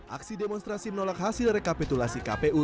aksi demonstrasi menolak hasil rekapitulasi kpu